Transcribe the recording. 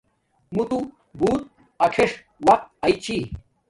موتو بوت اکیݽ وقت اݵ چھی